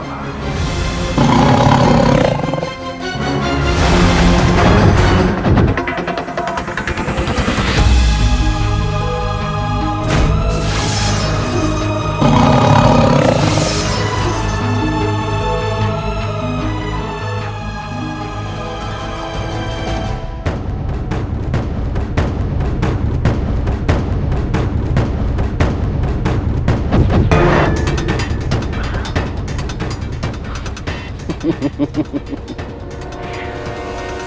maka akan menimbulkan malapetaka